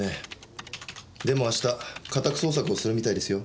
でも明日家宅捜索をするみたいですよ。